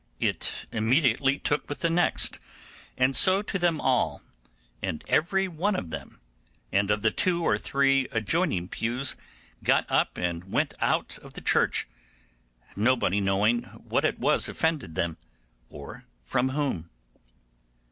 It immediately took with the next, and so to them all; and every one of them, and of the two or three adjoining pews, got up and went out of the church, nobody knowing what it was offended them, or from whom.